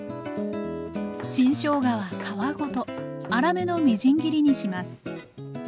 新しょうがは皮ごと粗めのみじん切りにします